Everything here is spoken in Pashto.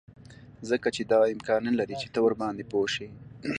ځکه چې دا امکان نلري چې ته ورباندې پوه شې